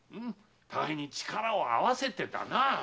互いに力を合わせてだな。